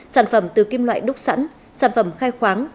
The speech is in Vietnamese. sản phẩm từ kim loại đúc sẵn sản phẩm khai khoáng